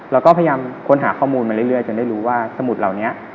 เราก็พยายามค้นหาข้อมูลมาเรื่อยจนได้รู้ว่าสมุดเหล่านี้